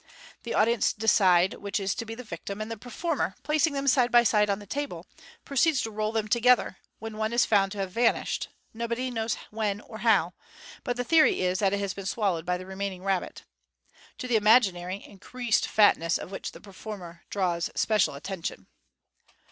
The audience decide which is to be the victim, and the performer, placing them side by side on the table, proceeds to roll them together, when one is found to have vanished, nobody knows when or how j but the theory is that it has been swallowed by the remaining rabbit, to the (imaginary) increased fatness of which the performer draws special attention.